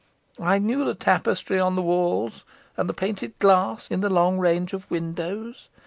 I knew the tapestry on the walls, and the painted glass in the long range windows.